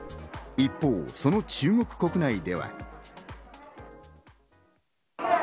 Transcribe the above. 一方その中国国内では。